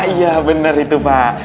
iya bener itu pak